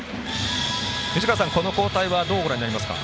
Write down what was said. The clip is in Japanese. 藤川さん、この交代はどうご覧になりますか？